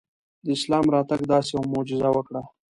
د اسلام راتګ داسې یوه معجزه وکړه.